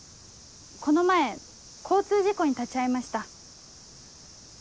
この前交通事故に立ち会いました。